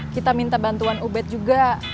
kita minta bantuan ubed juga